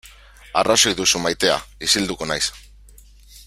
Arrazoi duzu maitea, isilduko naiz.